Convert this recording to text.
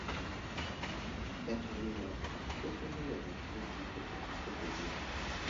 En realidad es uno de los tres tipos básicos de giga.